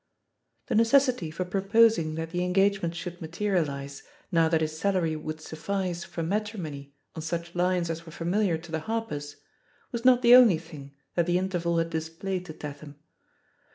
The necessity for proposing that the engage ment should materialise, now that his salary would suffice for matrimony on such lines as were familiar to the Harpers, was not the only thing that the interval had displayed to Tatham.